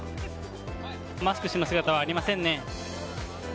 マスク氏の姿はありませんね。